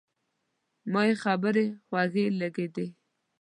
ما یې خبرې خوږې لګېدې.